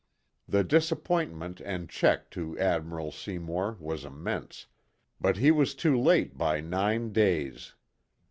The disappointment and check to Admiral Seymour was immense, but he was too late by nine days.